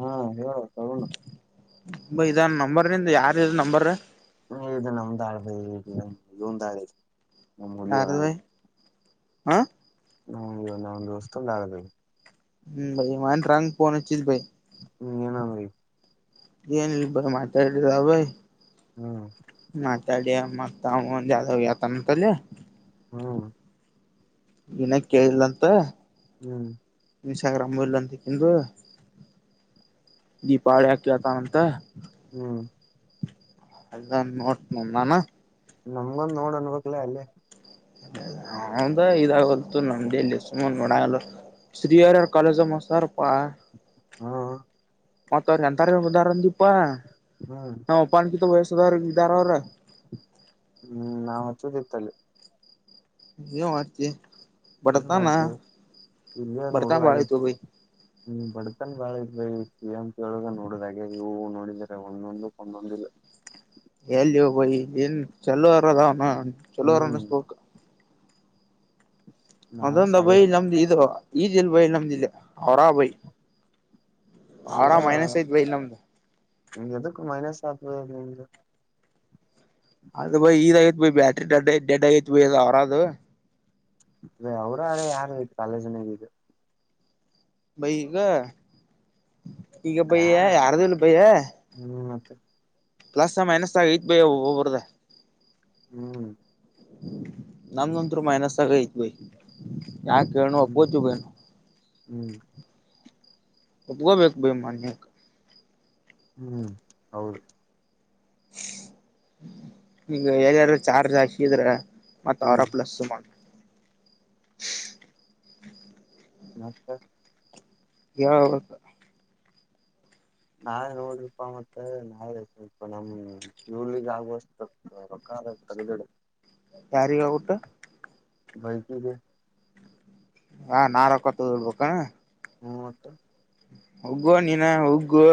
ಹಾ ಹೇಳ ತಕೊಂಡು ಇದ ನಂಬರನಿಂದ ಯಾರ ಇ ನಂಬರ್ ಇದು ನಮ್ದಾ ಹಳೆ ಯಾರದು ಬೈ ಅ ನಮ್ಮ ದೋಸ್ತದು ಹಳೇದು ಹ್ಮ್ಮ್ ಬೈ ನನಗೆ ಫೋನ್ ಹಚ್ಚಿದ್ರು ಬೈ ಹ್ಮ್ ಏನಂದ್ರೀ ಏನಿಲ್ಲ ಪಾ ಮಾತಾಡಿ ರವೆ ಹ್ಮ್ ಮಾತಾಡಿ ಮತ್ ಆವಾ ಯಾಕಂತಲಿ ಹ್ಮ ಇವ್ನ ಕೇಳಿಲ್ಲಂತ ಹ್ಮ್ ಇನ್ಸ್ಟಾಗ್ರಾಮ್ ಇಲ್ಲ ಅಂತೆ ದೀಪಾವಳಿ ಹಗ್ ಕೇಳ್ತಾನಂತ ಹ್ಮ್ ಅಂತ ನೋಡ್ ನಾನ್ ನಮ್ಗೊಂದ್ ನೋಡ್ ಅನ್ಬಕ್ಲ ಅಲ್ಲೇ ಅವಂದೇ ಇದಾಗತು ನಮ್ದಲ್ಲಿ ಸುಮಾರ ನೋಡಲ್ಲ ಶ್ರೀಯಾರ ಕಾಲೇಜು ಮಸಾರಪ್ಪಾ ಹಾ ಮತ್ ಅವ್ರ ಎಂತಾರದಾರಂದೀಪಾ ಹ್ಮ್ ನಾ ಅಪ್ಪನ್ಕಿತ್ ವಯಸ್ಸದವ್ರ ಇದ್ದಾರ ಅವ್ರ ಹ್ಮ್ ನಾವು ಹಾಚೋದು ಇತಲ್ಲಿ ನೀ ಮಾಡತಿ ಏನ್ ಬರ್ತಾನ ಮಾಡ್ತೇವಿ ಇಲ್ಲೇ ಬರ್ತ ನೋಡೋದಾಗೈತಿ ಬಳತ ಭೈ ಹ್ಮ್ ಬಡತನ್ ಬಾಳ ಇದ ಸಿ ಎಂ ಕೇಳಗ ನೋಡುದ ಹಾಗೆ ಇವು ನೋಡಿದ್ರರೆ ಒಂದೊಂದ ಒಂದೊಂದಿಲ್ಲ ಎಲ್ಲಿಯ ಬೈ ಏನ್ ಚಲೋರ ಅದ ಅವನು ಚಲೋರನ್ನ ಹ್ಮ್ ಅನಿಸಬೇಕು ನಾವ ಮಂದೊಂದ ಬೈ ಸಾಯದ್ ನಮ್ದಿ ಇದು ಈಜಿಲ್ ಬೈ ನಮ್ದಿದೆ ಅವರಾ ಬೈ ಅವರಾಮ ಮೈನಸ್ ಆಯ್ತೆ ಬ್ರೋ ನಮ್ದು ಎದುಕ್ಕ ಮೈನಸ್ ಆಯ್ತದೆ ನಿಂದು ಅದ ಬೈ ಇದ ಆಗತ್ ಬಿ ಬ್ಯಾಟ್ರಿಡ್ ಡಡ್ ಆಗೈತ್ ಬಬೈ ಅವರದು ಅವರು ಯಾರು ಕಾಲೇಜನಾಗದು ಬೈ ಈಗ ಯಾರ ಯಾರದೂ ಇಲ್ಲ ಬೈಯ [inaudible] ಪ್ಲಸ್ ಮೈನಸ್ ಆಗೈತೆ ಬೈ ಒಬ್ಬರದು ಹ್ಮ್ ನಮ್ಮೂದಂತೂ ಮೈನಸ್ ಆಗೈತೆ ಬೈ ಯಾಕ್ ಹೇಳನ ಬೈ ಹ್ಮ್ ಒಪ್ಪೋಕೊಬೇಕು ಹ್ಮ್ ಹ್ಮ್ ಹೌದು ಈಗ ಎಲ್ಲಾರೂ ಚರ್ಚ್ ಹಾಕಿದ್ರೆ ಮತ್ತ ಅವ್ರೆ ಹ್ಮ್ ಪ್ಲಸ್ ಮಾಡಿ ಮತ್ತೆ ಕೇಳಬೇಕು ನಾವೇ ನೋಡ್ರಪಾ ಮತ್ತೆ ನಾವೆ ಸ್ವಲ್ಪ ನಮ್ ಇವ್ರಿಗೆ ಆಗುವಷ್ಟು ರೊಕ್ಕ ಹಾ ಯಾರಿಗೇ ಹೇಳಿಬಿಟ್ಟು ಬೈಕಿಗೆ ಹಾ ರೊಕ್ಕ ಕೊಡಬೇಕಾ ಹು ಮತ್ತೆ ಹೊಗ್ಗೊ ನೀನ ಹೊಗ್ಗು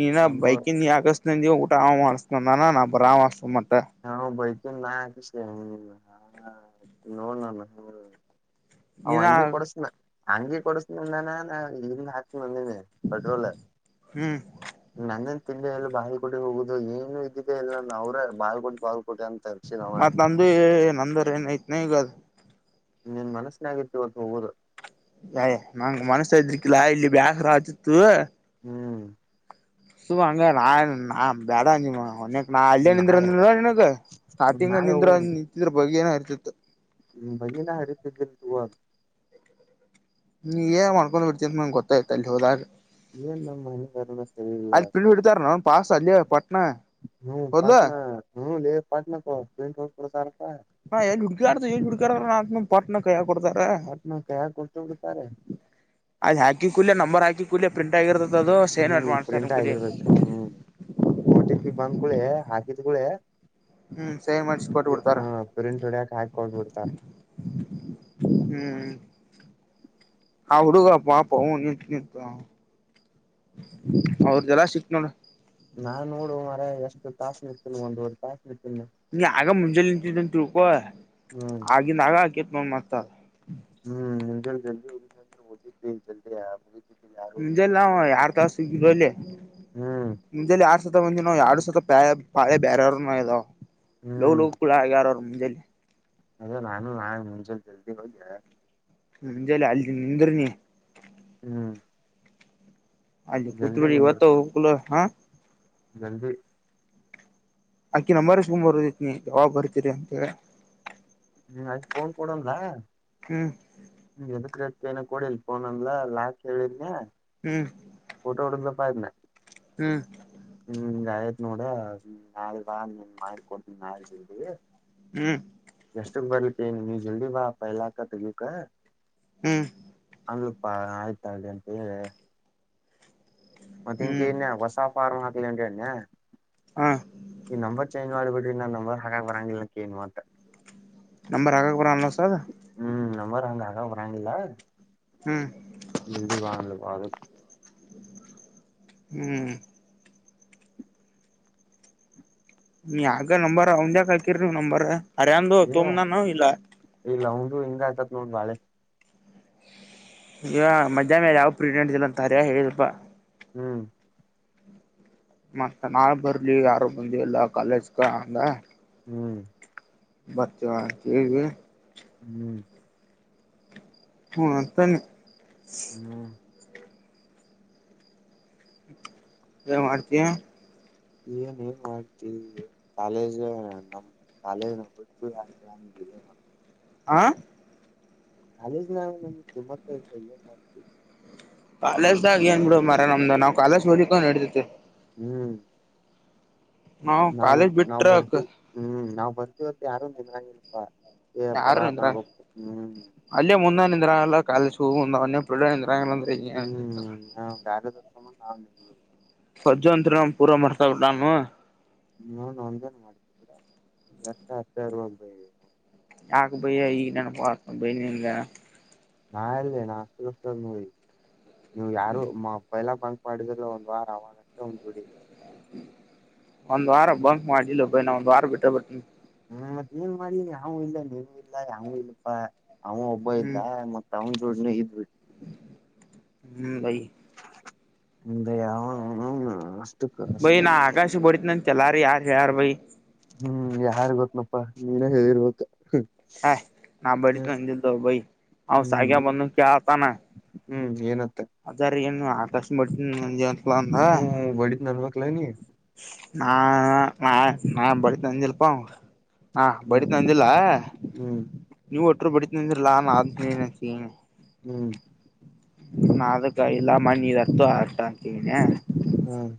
ನೀನ ಶಂಬರ್ ಬೈಕಿಂದ ಯಾಕಷ್ಟ [unintelligible] ಊಟ ಆ ಅಸ್ ನಾ ಬ್ರಾಮ ಸುಮಂ [unintelligible] ಹಾ ಬಕ ನಾ ನ [unintelligible] ನೀನ ಅಂಗಿ ಕೊಡಸನ ಅಂಗಿ ಕೊಡಸ್ಮನ ನಾನಿ [unintelligible] [unintelligible] ಪಟ್ರೋಲ್ಲ ಹ್ಮ್ ನಂದ ತಿ [unintelligible] ಎಲ್ಲಿ ಬಾಳ್ಕಟ್ಟ ಹೋಗುದು ಏನು ಇದ್ದಿದೆ ಎಲ್ಲ ಅವ್ರ ಬಾಳ್ಕಟ್ಟು ಬಾ ಮತ್ ನಂದು ಎ ನಂದರ ಏನ ಐತ್ನ ಈಗ ಅದು. ನಿನ್ ಮನಸ್ಸಿನಾಗರ್ತಿವತ್ತು ಹೋಗೋದ. ಅಯ ನಂಗ್ ಮನ್ಸ್ತಾ ಇದ್ರಕ್ಕಿಲ್ಲಾ ಇಲ್ಲಿ ಬ್ಯಾಸ್ರ ಆತಿತ್ತು. ಹ್ಮ್ ಸು ಹಂಗ ನಾ ನಾ ಬೇಡ ನಿಮ್ಮ ಒ [unintelligible] ನಾ ಅಲ್ಲಿಯ ನಿಂದ್ರ ನಾಳೆ ಅಂದಿಲ ನಿನಗ್ ಸ್ಟಾರ್ಟಿಂಗ್ ನಾಳೆ ನಿಂದ್ ನಿಂತಿದ್ರ ಬಗೆನ ಅರ್ತತ್ತು. ಹ್ಮ ಬಗನಾ ಹರಿತಿದ್ದಲ್ ತೂ ನೀ ಏನ್ ಮಾಡ್ಕೊಂಡ್ ಬಿಡ್ತ ಅಂತ ನಂಗ್ ಗೊತ್ತ್ತ ಅಲ್ಲಿ ಹೋದಾಗ. ಏನ್ ನಮ್ಮ ಮನೆಗಾರನ ಸರಿ ಇಲ್ಲ ಅಲ್ಲಿ ಪಿಲ್ ಅಂತ ಹೊಡ್ ತಾರ ನ ಪಸ ಅಲ್ಲಿಯ ಪಟ್ಣ ಹ್ಮ ಪಾಟ್ನ ಹ ಪಾಣ್ನ [unintelligible] ಹಾಂ ುಕ ಆಡ್ತುುಡ್ಕಾರ ನ ನು ಪಾರ್ಟ್ನ ಕ [unintelligible] ಡ್ತ ಪಾಟ್ನಾ ಕೈಯಾಗ ಕೊಟ್ಟು ಬಿಡ್ತಾರೆ ಅದ ಹಾಕಿ ಕೂಡ್ಲೆ ನಂಬರ್ ಹಾಕಿದ್ ಕೂಡ್ಲೆ ಪ್ರಿಂಟ್ ಆಗಿರ್ತದ ಅದು ಸೇನ್ ನಟ್ ಹ್ಮ್ ಮಾಡ್ತಾರೆ ಪ್ರಿಂಟ್ ಬಿಡಿ ಆಗಿರ್ತತೆ ಹ್ಮ್ ಓ ಟಿ ಪಿ ಬಂದ್ಕೂಡ್ಳೆ ಹಾಕಿದ ಕೂಡ್ಳೆ. ಹ್ಮ್ ಸೈನ್ ಮಾಡಿಸಿ ಕೊಟ್ಟ ಹ ಬಿಡ್ತಾರ ಫ್ರಿಂಟ್ ಹೊಡೆಯೊಕ ಹಾಕ್ ಹೊಗಿರ್ತಳ. ಹ್ಮ್ ಹ ಹಡುಗ ಪಾಪ [unintelligible] ಅವ್ರದೆಲ್ಲ ಸಿಕ್ ನೋಡ. ನಾನ್ ನೋಡುುವ ಮರ ಎಷ್ಟು ತಾಸ ನಿತ ಮುಂದ್ಡ್ತ [unintelligible] ನೀ ಆಗ ಮುಂಜಾಲೆ ನಿಂತಿದ್ದಂತ ತಿಳ್ಕೋ. ಹ್ಮ್ ಆಗಿಂದ ಆಗ ಕೇತ ನ ಮತ್ತ. ದು ನರಂದ ಮೋದಿ ಪೇಲ್ ಜಲ್ ಆ ಮುಂಜೆಲ್ಲ ಯಾರ್ ತಾಸ ಸಿಗ್ರಲ್ಲ ಹ್ಮ್ ಮುಂಜೆಲ್ಲ ಆರ್ ಸುತ ಬಂದ [unintelligible] ಎರಡು ಸತ ಪಾಳೆ ಪಾಳೆ ಬೇರವ್ರರು ಇದಾವ ಲೋಗೋಗ ಕೂಡ ಆಗ್ಯಾರ ಅವರು ಮುಂಜೆಲಿ. ಅದೆ ನಾನು ನಾ ಮುಂಚೆ ಜಲ್ದಿ ಹೊಗಿ. ಮುಂಜಾಲ ಅಲ್ಲಿ ನಿಂದ್ರ ನೀ. ಹ್ಮ್ ಅಲ್ಲಿ ಜಲ್ದಿ ಪೂತ್ರಿ ನಿಂದರ್ ಹೊತ್ತು [unintelligible] ಹಾ [unintelligible] ಅಕಿ ನಂಬಾರಸ್ಕುಂಬ್ ಬರುದತ್ನ ಯಾವಾಗ್ ಬರ್ತೀರಿ ಅಂತೇಳಿ. ಹ್ಮ ಅದ್ ಫೋನ್ ಕೊಡು ಅಂದ್ಲ ಹ್ಮ್ ಎದುಕ್ [unintelligible] ಏನ ಕೊಡಿಲ್ ಫೋನ್ ಅಂದ್ಲ ಲಾಕ್ ಹೇಳಿದ್ಕೇ ಹ್ಮ್ ಫೋಟೋ ಹೊಡುದ್ಲಪ್ಪ ಇದನ. ಹ್ಮ್ ಹ್ಮ ಆಯ್ತ್ ನೋಡ ನಾಲೆ ಬಾ ನಿನ್ ಮಾಡಿಕಡ್ತೀನ್ ನಾ ಜಿಂಗಿ ಹ್ಮ್ ಎಷ್ಟಕ್ ಬರ್ಲಿಕ್ಕೇ ಎನ್ ನೀ ಜಲ್ದಿ ಬಾ ಪೈಲಾಕ ತೆಗೀಕ. ಹ್ಮ್ ಅಂಗಪ್ಪಾ ಆಯ್ತ ತಗಲ್ರಿ ಅಂತ ಹೇಳಿ. ಮತ್ತ ಇಂಕ ಹ್ಮ್ ನ್ಯ ಹೊಸ ಫಾರ್ಮ್ ಹಾಕ್ಲಿ ಅಂಗಿ ಅಣನ್ಯ ಹಾ ಈ ನಂಬತ್ತ [unintelligible] ಚೇಂಜ್ ಮಾಡಿ ಬಿಡ್ರಿ ನಾನ್ನ ನಂಬರ್ ಬರಂಗಿಲ್ಲ ಆಕಿ ಏನ್ ಮಾತ. ನಂಬರ್ ಆಗ ಬರಲ್ಲ ಸೊರ್ದ. ನಂಬರ್ ಹಂಗ್ಗ ಅಕಕಬರಾಂಗಿಲ್ಲ. ಹ್ಮ್ ಇದು ಬಾಣಲ್ಲ ಬದು [unintelligible] ಹ್ಮ್ ನೀ ಆಗ ನಂಬರ್ ಅವಂದ್ಯ ಕಕಿರಿ ನೀವು್ ನಂಬರ್ ಅರ ಅಂದು ತೋಂಬ ನ ನ ಇಲ್ಲ ಇದು ಹಿಂಗ ಆಗ್ತತ್ ನೋಡ್ ಬಾಳೆ ಈಗ ಮಜಾ ಮೇಲೆ ಯಾವ ಪ್ರೀಗ್ನೆಂಟ್ಿಲ್ಲ ಅಂತ ಅರ ಹೇಳಿದಪ್ಪಾ ಹ್ಮ್ ಮತ್ತ ನಾಳ ಬರ್ಲಿ ಯಾರು ಬಂದ ಎಲ್ಲ ಕಾಲೇಜ್ ಕ ಅಂದ ಹ್ಮ್ ಮತ್ತ ಬೇಬೇ ಹ್ಮ್ ಹ್ಮ ಅಂತಾನ ಹ್ಮ್ ಯೆನ್ ಮಾಡ್ತ ಏನ್ ಏನ್ ಮಾಡ್ತಿ ಕಾಲೇಜ ನಮ ಕಾಲೇಜ್ಟ್ಟ ಹಾಕಂಗ ಆ ಕಾಲೇಜ್ ನಾವು ಕಿಮತೆ ಏನ್ ಮಾಡ್ತೀವಿ ಕಾಲಸ್ದಾಗ ಏನ್ ಬಿಡ ಮರ ನಮ್ದು ನಾವ್ ಕಾಲೇಸ್ ಓದಿಕಕೊಂಡನ್ ಹಿಡ್ತೇತಿ ಹ್ಮ್ ನಾವ್ ಕಾಲೇಜ್ ನಾವ್ ಬಿಟ್ರ ಬರ್ತಿವಿ ಹ್ಮ್ ನಾವ್ ಬರ್ತಿವತ್ತ ಯಾರು ನಿಮಾಗನಪಾ ಯಾರು ನಿಂದ್ರ ಅಲ್ಲೇ ಮುಂದ ನಿಂದ್ರ ಎಲ್ಲ ಕಾಲಸ ಮುಂದ ಲಾ ಇಲ್ಲಾ ಅಂದ್ರೇ ಹೆಂಗೆ ಆ ಪರ್ಜು ಅಂತೂ ಪೂರಾ ಮಾರ್ತಾ ಮಾಡ್ತಾ ಬಿಡಾನು ನನ್ ಒಂದೇನ ಮಾಡ್ತಿವಿ ಬಿಡ ಒ ವರ್ಷ್ಟ ಅಾಗಬ ಯಾಕ ಬಯ ಈಗ ನೆನಪ ಬೈ ನಿಂಗ ನಾ ಎಲ್ಲಿ ನಾ ಅಷ್ಟಷ್ಟದ ನೋಡಿ ನೀವು್ ಯಾರುಬ ಎಲ್ಲ ಬಂಕ್ ಮಾಡಿದ್ರ ಒಂದ್ ವಾರ ಅವವ ಅಷ್ಟ ಒಂದ್ ಜುಡಿ ಒಂದ್ ವಾರ ಬಂಕ್ ಮಾಡ್ಿಲ್ಲ ಭೈ ನಾ ಒಂದ ವಾರ ಬಿಟ್ಟ ಬಿಟ್ಟಿ ಹ್ಮ್ ಮತ್ತ ನೀನ್ ಮಾಡ ಯಾವೂ ಇಲ್ಲ ನೀವು ಇಲ್ಲ ಯಾವೂ ಇಲ್ಲಪ್ಪಾ ಅವ ಒಬ್ಬ ಹ್ಮ್ ಇದ್ದ ಮತ್ ಅವನ್ ಜೋಳಜನ ಇದ್ವಿ ಹ್ಮ್ ಬೈ ಹ್ಮ್ಮ್ ಬೈ ಅವ್ವ ಅ ಬಯಿ ನಾ ಆಕಾಶ ಹೊಡಿತ್ನಂತ ಯಾರ ಹೇಳಾರ ಬೈಿ ಹ್ಮ್ ಯಾರ್ ಗೊತ್ತನಪ್ಪಾ ನೀನೇ ಹೇಳಿರ್ ಗೊತ್ತ ಹ ನಾ ಬಡಿತ ನ ದಿದ್ದ ಭ ಹಾ ಹ್ಮ್ ಸಾಗಿಯ ಬಂದುು ಕೆಲತನ್ ಹ್ಮ್ ಏನ ಅಂತ ಅದ್ರ ಏನು ಆಕಾಶ್ ಮಾಡತವ ಹ್ಮ ಬಡಿತ ನಲ್ವಕ್ಲ ನೀ ನಾ ನಾ ನಾ ಬದಿತನಂಡಿಲಪ್ಪ ಅವನೀಗ ಹಾ ಹ್ಮ್ ಬದಿತಿನಂದಿಲ್ಲ ಹ್ಮ್ ನೀವು ಒ ತ್ರೂ ಬಡಿತಿನಾಲತ್ನಿ ಹ್ಮ್ ನ ಅದಕ್ಕ ಇಲ್ಲ ಮಣ್ಣಿ ಹತ್ತು ಆತ ಅಂತನ ಹ್ಮ್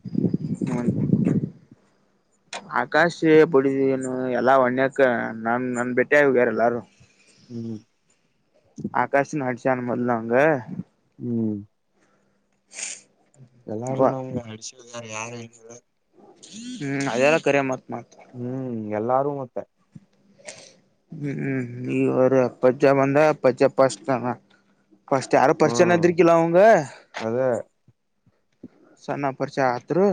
ಆಕಾಶ ಪಡಿದೀನು ಎಲ್ಲಾ ಒಣ್ಯಕ್ಕ ನನ್ ನನ್ ಬೆಟ್ಟೆ ಹ್ಯಾರ ಎಲ್ಲಾರು ಹ್ಮ್ ಜಾನ ಮೊದ್ಲು ಹಾಂಗ ಹ್ಮ್ ಅವ ಎಲ್ಲಾರು ನಮ್ಗೆ ಅಿಸಿದಾರ ಯಾರು ಾರೆ ಹ್ಮ್ ಅದೆಲ್ಲ ಕರಿ ಮತ್ ಮಾಡ ಹ್ಮ್ ಎಲ್ಲಾರು ಮತ್ತೆ ಹ್ಮ್ ಈವರ ಪಜ್ಜಾ ಬಂದ ಪಜ್ಜಾ ಫಸ್ಟ್ ಫಸ್ಟ್ ಯಾರೋ ಪರಿಚಯನ್ ಹ್ಮ್ ಇದಿರಾಖಿಲ್ ಅವಂಗ ಅದೇ ಸನ್ನಪರಚ ಹತ್ರ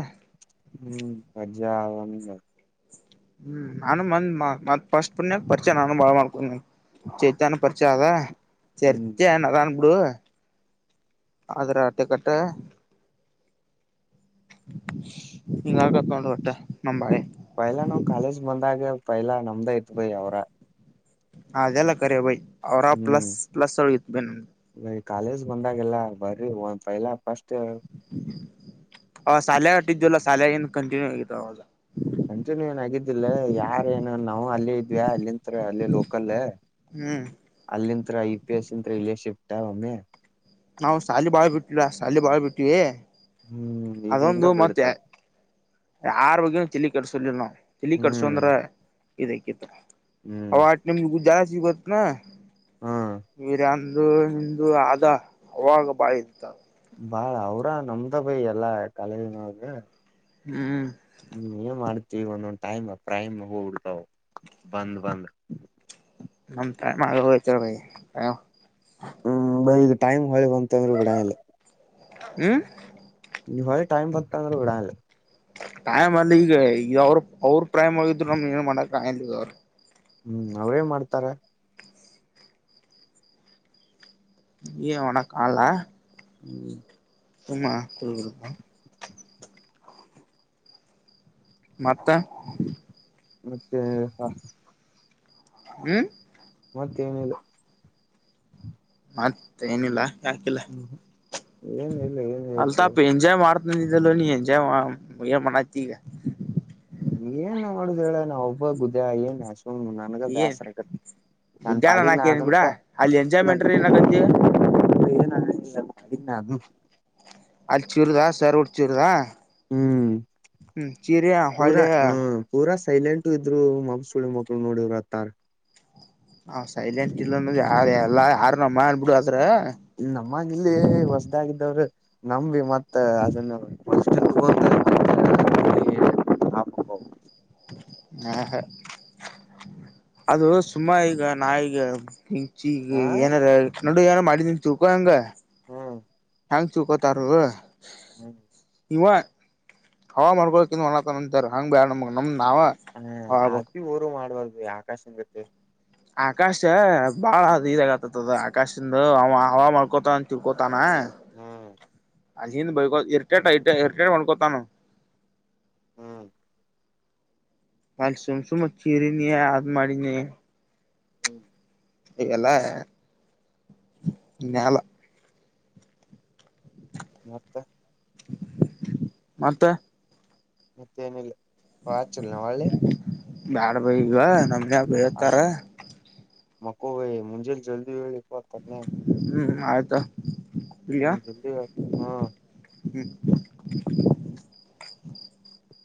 ಹ್ಮ್ ಮಜಾ ಆ ಹ್ಮ್ ನಾನು ಮಂದ್ ಮತ್ ಪಫಸ್ಟ್ ಪುಣ್ಯ ಪರಿಚಯ ನಾನು ಬಾಳ ಮಾಡ್ಕೊಂಡ ಚೇತಾನ ಪರಿಚಯ ಅದ ಹ್ಮ್ ಚರ್ಚೆ ನಅದನ್ ಬಿಡು ಆದ್ರಆಟಕಟ್ಟ ಈಂಗಕಕ್ಕೊಂಡ ಹೊಟ್ಟೆ ನಂಬಾಳೆ ಪೈಲಾ ನಾ ಕಾಲೇಜ್ ಬಂದಾಗ ಪೈಲಾ ನಮ್ದ ಐತ್ ಬಯ ಅವ್ರ ಆಗಲ್ಲ ಕರೆ ಭೈ ಹ್ಮ್ ನ ಕಾಲೇಜ್ ಬಂದಾಗೆಲ್ಲ ಬರಿ ಒ ಪೈಲಾ ಪಸ್ಟ್ ಹ ಸಾಲ ವಿ ದಲ್ಲ ಸಾಲೆಗಿಂದ ಕಂಟಿನ್ಯೂ ಆಗಿದವ ಅಂಜೆನ್ ಏನ ಆಗಿದ್ದಿಲ್ಲ ಯಾರ ಏನು ನಾವು ಅಲ್ಲೇ ಇದ್ವಿ ಅಲ್ಲಿತ್ ಅಲ್ಲಿ ಲೋಕಲ್ ಹ್ಮ್ ಅಲ್ಲಿತ್ರ ಐ ಪಿ ಎಸ್ ಇಂತ ಇಲ್ಲಿ ಶಿಫ್ಟ ಒಮ್ಮೆ ನಾವು ಶಾಲಿ ಬಾಳ್ ಬಿಟ್ಟಲ್ಲ ಶಾಲಿ ಬಾಳ್ ಬಿಟ್ಟಿವ ಹ್ಮ್ ಇ ಹಿಂಗ ಬೀಡ್ತದ ಆರ ಬಗ್ಗೆನ ತಲಿ ಕಟ್ಸಲಿಲ್ಲ ನಾವು ತಲಿ ಕಟ್ಸೋ ಹ್ಮ್ ಅಂದ್ರೆ ಇದೇಕಿತ್ತು ಹ್ಮ್ ಅನೆ ಜ ವಿಕ ನ ಹ್ಮ್ [unintelligible] ಇಂದು ಹಿಂದೂ ಆದ ಅವಾಗ ಬಾಳ ಇತ್ತದ ಬಾಳ ಅವ್ರ ನಮ್ದ ಬೈ ಎಲ್ಲಾ ಕಾಲೇಜು ನೊಳಗೆ ಹ್ಮ್ ಹ್ಮ್ ಏನ್ ಮಾಡ್ತಿವಿ ಒಂದೊಂದ್ ಟೈಮ್ ಪ್ರೈಮ್ ಹೋಗ ಬಿಡತಾವ್ ಅವು ಬಂದ ಬಂದ್ ನತ ಮಾಡಗ ಹೆಚ ಭ [unintelligible] ದು ಟೈಮ್ ಹೊಳಿ ಬಂತಂದ್ರು ಬಿಡಗಿಲ್ಲ ಹ್ಮ ನಿ ಹೊಳ ಟೈಮ ಬತ್ತಂದರ್ ಬಿಡಾಗಿಲ್ಲೇ ಟೈಮ್ ಅಲ್ಲಿ ಈಗ ಈಗ ಅವ್ರ ಅವ್ರ ಪ್ರೈಮ್ ಆಗಿದ್ರು ನಮ್ ಏನ್ ಮಾಡಕ್ ಆಗಾಗಿಲ್ಲ ಈಗ ಹ್ಮ್ ಅವ್ರೇನ್ ಮಾಡ್ತಾರ. ಏನ ಮಾಡಕ್ ಆಗಲ್ಲ ಹ್ಮ್ ಸುಮ ಕುಡದಬಿಡೊದ ಮತ್ತ ಮತ್ತೆ ಹ ಹ್ಮ್ ಮತ್ತೇ ಏನು ಇಲ್ಲ ಮತ್ತೆ ಏನಿಲ್ಲ ಯಾಕಿಲ್ಲ ಏನ್ ಇಲ್ಲ ಏನ್ ಹೇಳ್ತ ಅಲ್ತಾಪ್ ಎಂಜಾಯ್ ಮಾಡ್ತಂದ ಅದಿದ್ದಲ ನೀ ಎಂಜಾಯ್ ಏನ್ ಮಾಡತಿ ಈಗ ಹ ಏನ್ ಮಾಡುದ ಹೇಳ ನಾವ ಒಬ್ಬ ಗುದ್ಯ ಏನ್ ನನ್ಗ ಏನ್ ಬೇಸರ ಆಕ್ಕೆತಿ ನನ್ ಗುಡ್ಡ್ಯಾನ ಪಾಡಿಗೆ ನಾಕ ನಾ ಏನ್ ಬಿಡ ಅದನಪಾ ಅಲ್ಲಿ ಎಂಜಾಯ್ಮೆಂಟ್ರ ಏನಕತಿ ಅಏನ ಅನಾಗಿಲ ನನ್ ಪಾಡಿಗೆ ನನ್ ಅದು ಅಲ್ಲಿ ಚೂರುದಾ ಸರ್ ಉಡ್ ಚೂರದಾ ಹ್ಮ್ ಪೂರ್ ಹೊಳ್ಳಿ ಹ್ಮ್ ಪೂರ್ ಸೈಲೆಂಟ್ ಇದ್ರು ಮಮ ಸುಳಿ ಮಕ್ಕಳು ನೋಡರು ಹತ್ತಾರ್ [unintelligible] ಹ್ ಸೈಲೆಂಟ್ ಇಲ್ಲ ಎಲ್ಲ ಆ ನ ಮಾಡ ಬಿಡು ನಮ್ಮಗಿಲ್ಲೆ ಹೊಸ ಇದಾಗಿದ್ದವರು ನಂಬಿ ಮತ್ತ ಅದನ್ನು ಹ ಹ ಹ ಹಾ ಹಾ ಅದು ಸುಮ್ಮ ಈಗ ನಾ ಈಗ ಈಗ ಆ ಏನಾರ ಕಡು ಏನಾರ ಮಾಡಿದನ್ ಚೂಕ ಹಂಗ ಹ್ಮ್ ಫಂಕ್ಚು ಕತಾರ ರ ಹ್ಮ್ ಇವ ಹವ ಮಾಡ್ಕೋಕಂದು ಒಣತ ಅಂತಾರೆ ಹಂಗ್ ಬ್ಯಾ ನಮ ನಮ್ದ ಹಾ ಅಿ ಊರು ಮಾಡ್ಬಾರ್ದ ಆಕಾಶನ್ ಗತ್ತ ಆಕಾಶ ಬಾಳೀದಾಗ ಆತತ್ದ ಆಕಾಶಿಂದ ಅವ ಹ ಮಾಡ್ಕೋತಾನ ಚಿಳ್ಕೋತಾನ ಹ್ಮ್ ಅಲ್ಲಿಿಂದ ಬೈಕೋ ಇರಿಟೇಟ ಇ ಇರಿಟೇಟ್ ಹೊಂದ್ಕೋತಾನು ಹ್ಮ್ ಅ ಸುಮ್ ಸುಮತ್ ಚೀರಿ ನೀಿ ಅ್ ಮಾಡಿನಿ ಹ್ಮ್ ಇವೆಲ್ಲಾ ನಲ ಮತ್ತ ಮತ್ತೆ ತ್ತನ ಬ ಚಲ್ನೆವೆ ಬ್ಯಾಡ ಬ ಈಗ ಆ ನಮನ್ೇತಾರ ಮಕ್ಕೋ ವೆಯಿ ಮುಜೆ ಜಲ್ದಿ ವೇೇಳಿಪ್ಪ ತ ಆಯ್ತಾ ಹ್ಮ್ ಹಾ ಹ್ಮ್